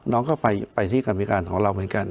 น้องก็ไปที่กรรมพิการของเราเหมือนกัน